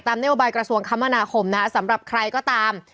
ตามเนวบายกระทรวงคมธนาคมนะสำหรับใครก็ตาม